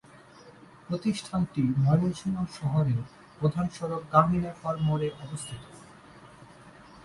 প্রতিষ্ঠানটি ময়মনসিংহ শহরের প্রধান সড়ক গাঙিনারপাড় মোড়ে অবস্থিত।